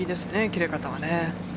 切れ方は。